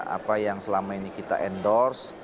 apa yang selama ini kita endorse